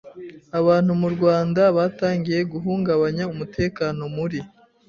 abantu mu Rwanda batangiye guhungabanya umutekano muri